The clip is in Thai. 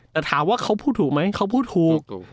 แต่ถามว่าเขาพูดถูกไหมเขาพูดถูก